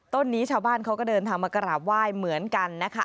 ต้นนี้ชาวบ้านเขาก็เดินทางมากราบไหว้เหมือนกันนะคะ